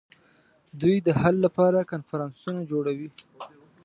دوی د حل لپاره کنفرانسونه جوړوي